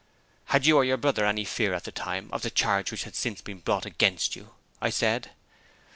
"Had you or your brother any fear at that time of the charge which has since been brought against you?" I said.